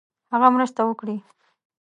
هغه مرسته وکړي.